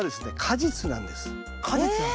果実なんですよ。